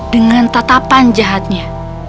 dengan tatapan jahatnya